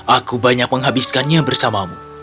aku banyak menghabiskannya bersamamu